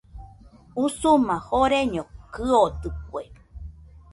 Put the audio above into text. Usuma joreño kɨodɨkue.